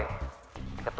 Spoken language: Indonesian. nanti braun hati hati